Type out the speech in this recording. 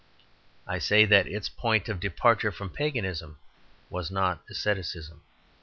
I say that its point of departure from Paganism was not asceticism.